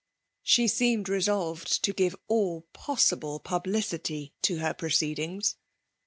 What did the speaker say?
She seemed re solved to give all possible publicity to her proceedings.